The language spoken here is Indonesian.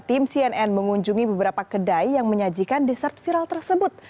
tim cnn mengunjungi beberapa kedai yang menyajikan dessert viral tersebut